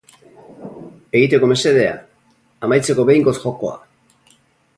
Egiteko mesedea, amaitzeko behingoz jokoa.